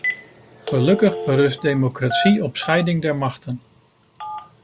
Gelukkig berust democratie op scheiding der machten.